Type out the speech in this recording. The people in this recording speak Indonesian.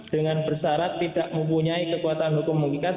dengan bersarat tidak mempunyai kekuatan hukum mengikat